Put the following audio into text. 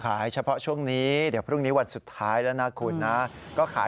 อ๋อขายเฉพาะช่วงนี้เดี๋ยวพรุ่งนี้วันสุดท้ายแล้วนะคุณนะ